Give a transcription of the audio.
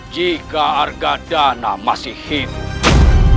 jika arkadana masih hidup